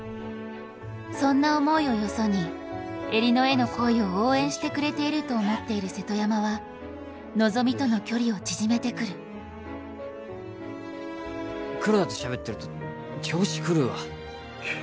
そんな思いをよそに江里乃への恋を応援してくれていると思っている瀬戸山は希美との距離を縮めてくる黒田としゃべってると調子狂うわ